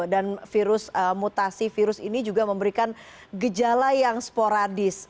dan virus mutasi virus ini juga memberikan keamanan